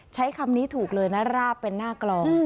ใช้คำนี้ถูกเลยนะราบเป็นหน้ากลอง